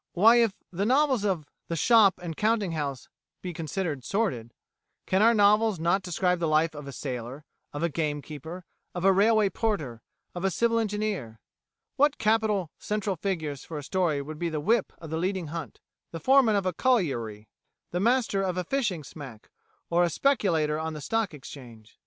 Why, if novels of the shop and counting house be considered sordid, can our novels not describe the life of a sailor, of a game keeper, of a railway porter, of a civil engineer? What capital central figures for a story would be the whip of a leading hunt, the foreman of a colliery, the master of a fishing smack, or a speculator on the Stock Exchange?"